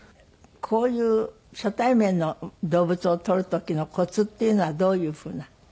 こういう初対面の動物を撮る時のコツっていうのはどういうふうな。